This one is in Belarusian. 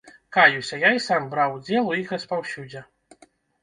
Каюся, я і сам браў удзел у іх распаўсюдзе.